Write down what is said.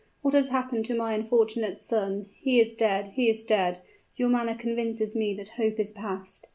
What has happened to my unfortunate son? He is dead he is dead! Your manner convinces me that hope is past!"